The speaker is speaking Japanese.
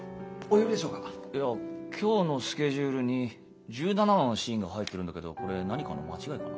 いや今日のスケジュールに１７話のシーンが入ってるんだけどこれ何かの間違いかな？